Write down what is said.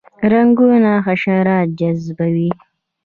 رنګونه حشرات جذبوي